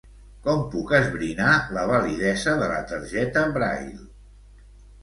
Com puc esbrinar la validesa de la targeta Braile?